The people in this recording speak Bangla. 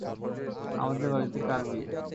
আমাদের বাড়িতে কার বিয়ে?